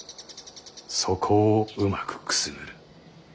そこをうまくくすぐる。